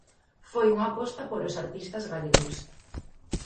Foi unha aposta polos artistas galegos.